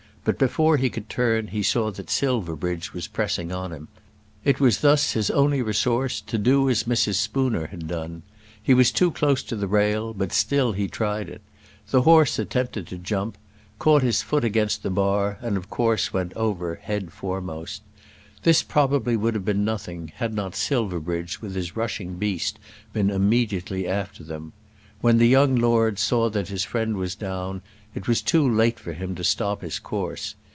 But before he could turn he saw that Silverbridge was pressing on him. It was thus his only resource to do as Mrs. Spooner had done. He was too close to the rail, but still he tried it. The horse attempted to jump, caught his foot against the bar, and of course went over head foremost. This probably would have been nothing, had not Silverbridge with his rushing beast been immediately after them. When the young lord saw that his friend was down it was too late for him to stop his course.